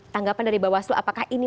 tanggapan dari bawah seluruh apakah ini